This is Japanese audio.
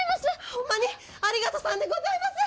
ホンマにありがとさんでございます！